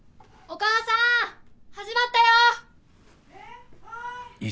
お母さん始まったよ！